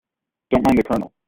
Don't mind the Colonel.